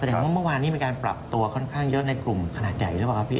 แสดงว่าเมื่อวานนี้มีการปรับตัวค่อนข้างเยอะในกลุ่มขนาดใหญ่หรือเปล่าครับพี่